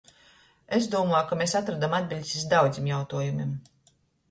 Es dūmoju, ka mes atrodom atbiļdis iz daudzim jautuojumim.